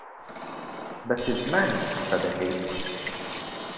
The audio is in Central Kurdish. بە چ زمانێک قسە دەکەیت؟